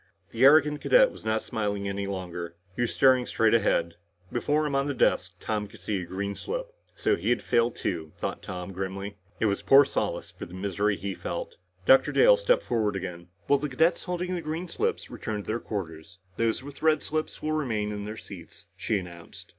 The arrogant cadet was not smiling any longer. He was staring straight ahead. Before him on the desk, Tom could see a green slip. So he had failed too, thought Tom grimly. It was poor solace for the misery he felt. Dr. Dale stepped forward again. "Will the cadets holding green slips return to their quarters. Those with red slips will remain in their seats," she announced.